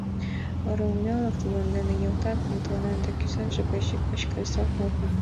Румелёв тудын дене йыштрак мутланыш да кӱсенже гыч ик пачке листовкым луктын пуыш.